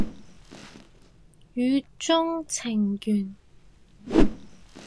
語中程緣